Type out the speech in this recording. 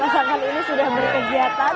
pasangan ini sudah berkegiatan